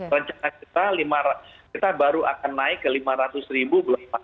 rencana kita baru akan naik ke lima ratus ribu